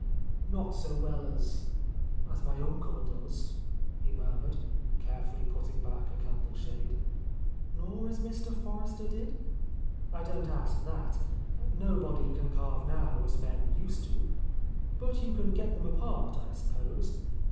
"Not so well as — as my uncle does," he mur mured, carefully putting back a candle shade. "Nor as Mr. Forrester did? I don't ask that. Nobody can carve now as men used to. But you can get them apart, I suppose?